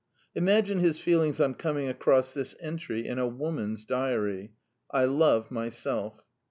Imagine his feelings on coming across this entry in a woman's diary: " I love my self."